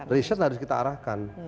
riset harus kita arahkan